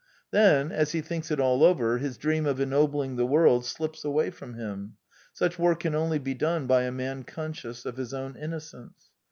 Then, as he thinks it all over, his dream of ennobling the world slips away from him : such work can only be done by a man conscious of his own innocence.